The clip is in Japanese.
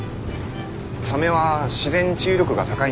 サメは自然治癒力が高いんです。